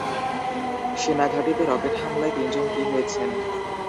সেনাঘাঁটিতে rocket হামলায় তিনজন কি হয়েছেন?